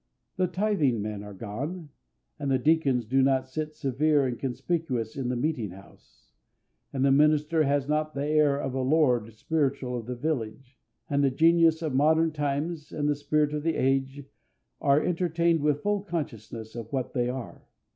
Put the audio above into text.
The tithing men are gone, and the deacons do not sit severe and conspicuous in the meeting house, and the minister has not the air of a lord spiritual of the village; and the genius of modern times and the spirit of the age are entertained with full consciousness of what they are.